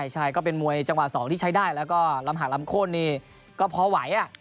ใช่ก็เป็นมวยจังหวะ๒ที่ใช้ได้แล้วก็ลำหักลำโค้นนี่ก็พอไหว